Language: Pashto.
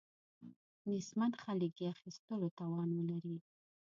نیستمن خلک یې اخیستلو توان ولري.